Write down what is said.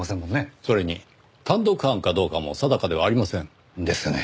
それに単独犯かどうかも定かではありません。ですよね。